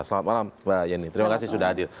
selamat malam mbak yeni terima kasih sudah hadir